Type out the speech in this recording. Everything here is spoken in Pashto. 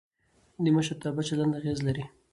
د مشرتابه چلند اغېز لري